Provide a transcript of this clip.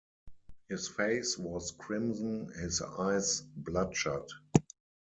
His face was crimson, his eyes bloodshot.